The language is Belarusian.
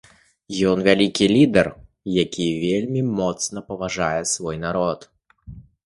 Ён вялікі лідар, які вельмі моцна паважае свой народ.